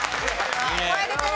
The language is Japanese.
声出てる！